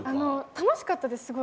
楽しかったです、すごい。